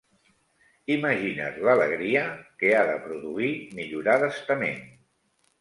Imagina't l'alegria que ha de produir millorar d'estament!